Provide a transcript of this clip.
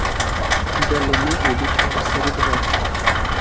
Gelê me, êdî çareserî dixwaze